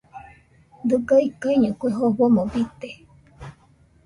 Diga ikaiño kue jofomo bite